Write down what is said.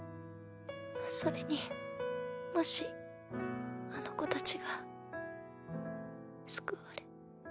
それにもしあの子たちが救われ。